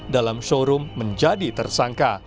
dalam showroom menjadi tersangka